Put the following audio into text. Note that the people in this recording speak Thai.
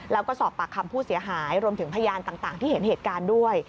แล้วก็สอบปากคำผู้เสียหายรวมถึงพยานต่างที่เห็นเหตุการณ์ด้วย